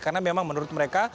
karena memang menurut mereka